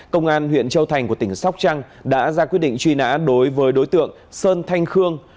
công an huyện châu thành của tỉnh sóc trăng đã ra quyết định truy nã đối với đối tượng sơn thanh khương